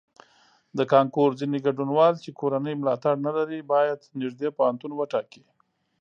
د کانکور ځینې ګډونوال چې کورنی ملاتړ نه لري باید نږدې پوهنتون وټاکي.